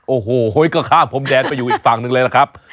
โอ้โหก็ข้ามพรมแดนไปอยู่อีกฝั่งหนึ่งเลยล่ะครับ